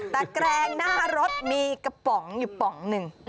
แต่แกรงหน้ารถมีกระป๋องอยู่ป๋องหนึ่ง